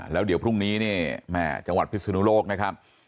แล้วเดี๋ยวพรุ่งนี้เนี่ยแม่จังหวัดพิศนุโลกนะครับ